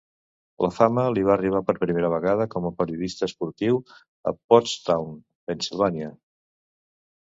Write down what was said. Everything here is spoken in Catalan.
La fama li va arribar per primera vegada com a periodista esportiu a Pottstown, Pennsilvània.